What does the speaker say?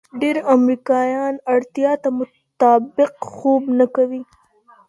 ډېر امریکایان اړتیا ته مطابق خوب نه کوي.